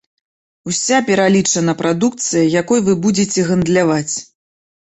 Уся пералічана прадукцыя, якой вы будзеце гандляваць.